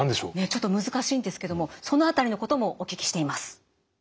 ちょっと難しいんですけどもその辺りのこともお聞きしています。